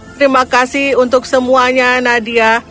terima kasih untuk semuanya nadia